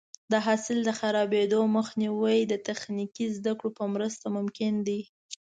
د حاصل د خرابېدو مخنیوی د تخنیکي زده کړو په مرسته ممکن دی.